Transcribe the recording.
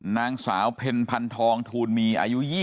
นางสาวเพนพันทองทูนมีอายุ๒๗ปี